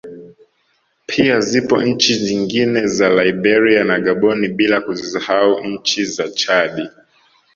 Pia zipo nchi nyingine za Liberia na Gaboni bila kuzisahau ncni za Chadi